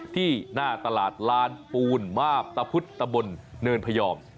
ที่หน้าตลาดลานปูนมาบตะพุทธตะบนเนินพยอม